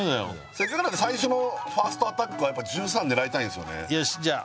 せっかくだから最初のファーストアタックはやっぱ１３狙いたいですよねよしじゃあ